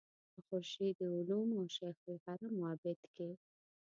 په خورشید علوم او شیخ الحرم عابد کې.